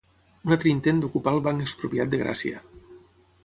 Un altre intent d'ocupar el Banc Expropiat' de Gràcia.